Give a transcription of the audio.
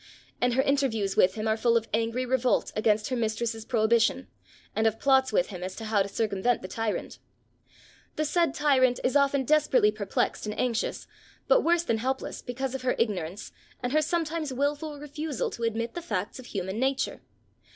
And her interviews with him are full of angry revolt against her mistress's prohibition, and of plots with him as to how to circumvent the tyrant. The said tyrant is often desperately perplexed and anxious, but worse than helpless, because of her ignorance and her sometimes wilful refusal to admit the facts of human nature.